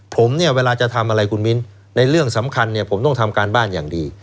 ผมเนี่ยเวลาจะทำอะไรคุณมิ้นในเรื่องสำคัญเนี่ยผมต้องทำการบ้านอย่างดี